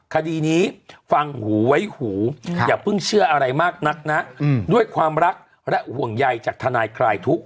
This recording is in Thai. คดีนี้ฟังหูไว้หูอย่าเพิ่งเชื่ออะไรมากนักนะด้วยความรักและห่วงใยจากทนายคลายทุกข